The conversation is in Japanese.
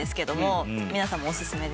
皆さんもおすすめです。